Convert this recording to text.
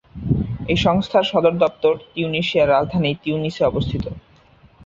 এই সংস্থার সদর দপ্তর তিউনিসিয়ার রাজধানী তিউনিসে অবস্থিত।